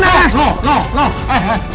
nah nah nah